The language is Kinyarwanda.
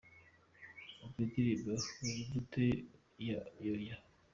Umva indirimbo Wiyumva gute ya Yoya:.